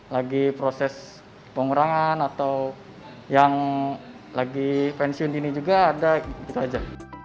lagi proses pengurangan atau yang lagi pensiun ini juga ada gitu aja